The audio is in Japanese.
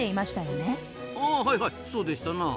あはいはいそうでしたな。